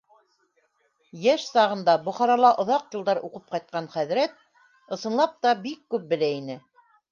Йәш сағында Бохарала оҙаҡ йылдар уҡып ҡайтҡан хәҙрәт ысынлап та бик күп белә ине.